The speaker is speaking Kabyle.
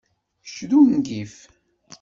Kečč d ungif!